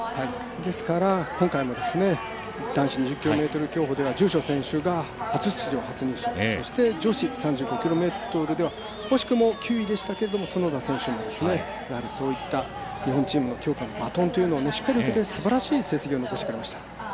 ですから今回も、男子２０ｋｍ競歩では住所選手が初出場、初入賞して、そして女子３５ｋｍでは惜しくも９位でしたけど園田選手がそういった日本チームの強化のバトンというものをしっかり受けて、すばらしい成績を残してくれました。